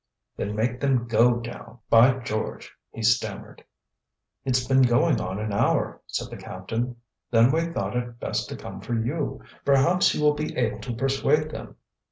"Then make them go down, by George!" he stammered. "It's been going on an hour," said the captain. "Then we thought it best to come for you. Perhaps you will be able to persuade them."